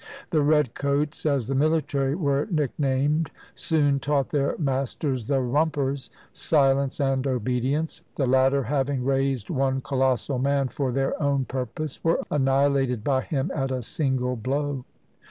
The "Red coats" as the military were nicknamed, soon taught their masters, "the Rumpers," silence and obedience: the latter having raised one colossal man for their own purpose, were annihilated by him at a single blow.